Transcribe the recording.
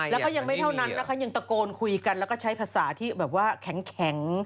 แล้วก็ยังไม่เท่านั้นนะคะยังตะโกนคุยกันแล้วก็ใช้ภาษาที่แบบว่าแข็ง